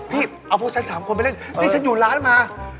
พี่เอาพวกฉัน๓คนไปเล่นนี่ฉันอยู่ร้านมา